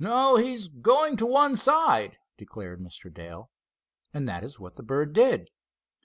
"No, he's going to one side," declared Mr. Dale. And that is what the bird did!